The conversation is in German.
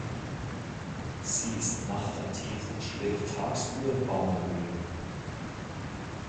Sie ist nachtaktiv und schläft tagsüber in Baumhöhlen.